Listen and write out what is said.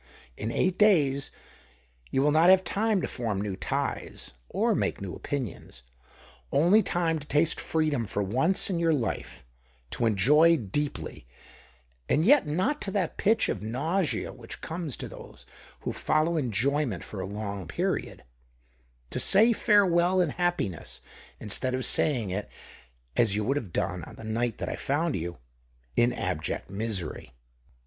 In eight days you will not have time to form new ties, or make new opinions — only time to taste freedom for once in your life, to enjoy deeply, and yet not to that pitch of nausea which comes to those who follow enjoyment for a long period ; to say farewell in happiness instead of saying it — as you would have done on the night that I found you — in abject misery.